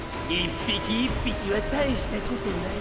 １匹１匹は大したことない。